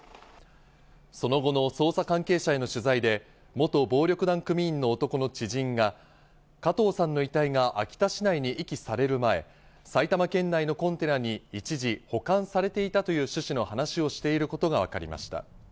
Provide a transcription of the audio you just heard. その後の捜査関係者への取材で元暴力団組員の男の知人が加藤さんの遺体が秋田市内に遺棄される前、埼玉県内のコンテナに一時保管されていたという趣旨の話をしていることがわかりました。